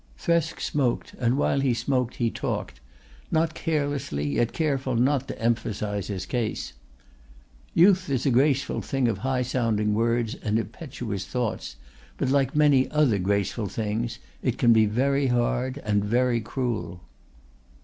Thresk smoked and while he smoked he talked, not carelessly yet careful not to emphasize his case. "Youth is a graceful thing of high sounding words and impetuous thoughts, but like many other graceful things it can be very hard and very cruel."